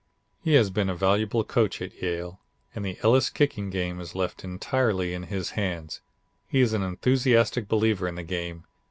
He has been a valuable coach at Yale and the Elis' kicking game is left entirely in his hands. He is an enthusiastic believer in the game.